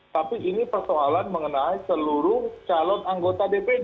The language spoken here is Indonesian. tapi ini persoalan mengenai seluruh calon anggota dpd